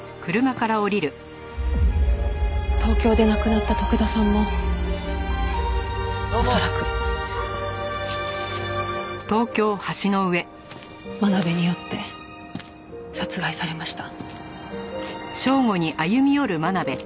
「東京で亡くなった徳田さんも恐らく」「真鍋によって殺害されました」